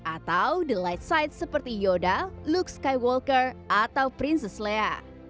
atau the light side seperti yoda luke skywalker atau princess leia